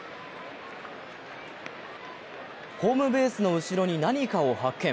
ホームベースの後ろに何かを発見。